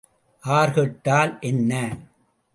R கெட்டால் என்ன?